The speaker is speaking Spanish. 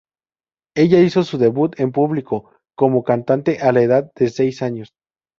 Ella hizo su debut en público como cantante a la edad de seis años.